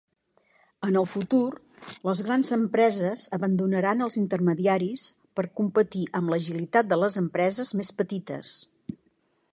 En el futur, les grans empreses abandonaran els intermediaris per competir amb l'agilitat de les empreses més petites.